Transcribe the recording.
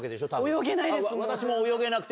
泳げないです。